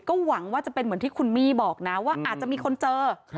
ก็หวังว่าจะเป็นเหมือนที่คุณมี่บอกนะว่าอาจจะมีคนเจอ